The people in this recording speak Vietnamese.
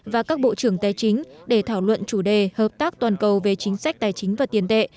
và các bộ trưởng tài chính để thảo luận chủ đề hợp tác toàn cầu về chính sách tài chính và tiền tệ